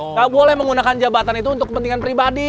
nggak boleh menggunakan jabatan itu untuk kepentingan pribadi